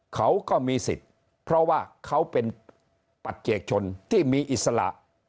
เขาก็มีสิทธิ์เพราะว่าเขาเป็นปัจเจกชนที่มีอิสระ